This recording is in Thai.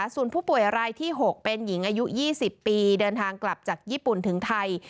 ส่วนผู้ป่วยรายที่๖เป็นหญิงอายุ๒๐ปีเดินทางกลับจากญี่ปุ่นถึงไทย